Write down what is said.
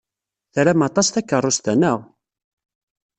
Tram aṭas takeṛṛust-a, naɣ?